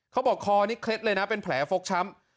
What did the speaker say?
เขาบอกคอนิเคร็ดเลยนะเป็นแผลฟกช้ำ